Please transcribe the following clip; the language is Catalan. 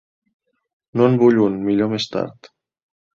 No en vull un millor més tard.